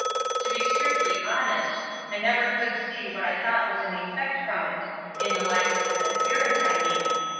To be strictly honest, I never could see what I thought was an effect from it; in the lives of its adherents, I mean.